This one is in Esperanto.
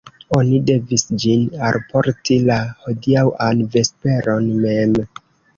Oni devis ĝin alporti la hodiaŭan vesperon mem.